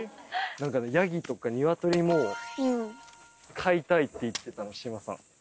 何かヤギとかニワトリも飼いたいって言ってたの志麻さん。